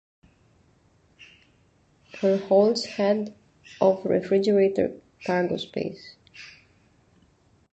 Her holds had of refrigerated cargo space.